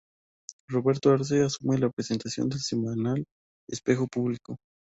Roberto Arce, asume la presentación del semanal Espejo Público.